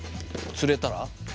釣れたら。